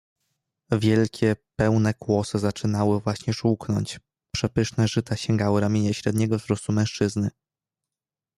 "Wielkie, pełne kłosy zaczynały właśnie żółknąć, przepyszne żyta sięgały ramienia średniego wzrostu mężczyzny."